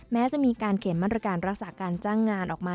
แม้จะมีการเขียนมาตรการรักษาการจ้างงานออกมา